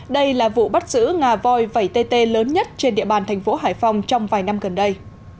đây là vụ bắt giữ ngà voi vẩy tê tê lớn nhất trên địa bàn thành phố hải phòng trong vài năm gần đây